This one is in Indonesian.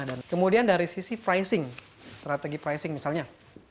dan kemudian dari sisi pricing strategi pricing misalnya